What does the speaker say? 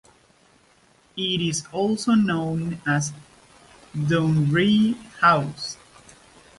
It is also known as Dounreay House.